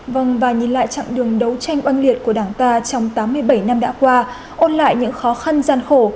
vâng và nhìn lại chặng đường đấu tranh oanh liệt của đảng ta trong tám mươi bảy năm đã qua ôn lại những khó khăn gian khổ